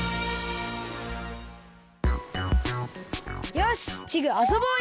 よしチグあそぼうよ。